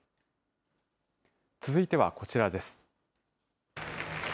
続いてはこちらです。